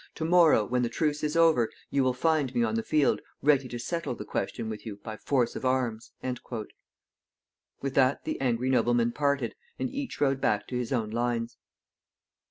"To morrow, when the truce is over, you will find me on the field ready to settle the question with you by force of arms." With that the angry noblemen parted, and each rode back to his own lines.